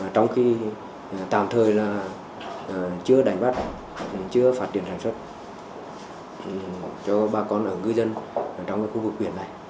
trong khi tạm thời chưa đánh bắt chưa phát triển sản xuất cho bà con ở ngư dân trong khu vực huyện này